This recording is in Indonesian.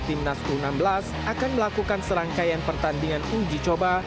tim nasional indonesia u enam belas akan melakukan serangkaian pertandingan uji coba